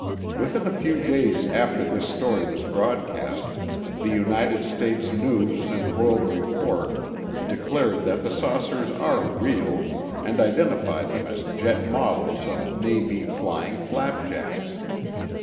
Within a few days after this story was broadcast, the United States News and World Report declared that the saucers are real, and identified them as jet models of Navy "Flying Flapjacks."